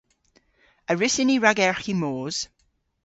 A wrussyn ni ragerghi moos?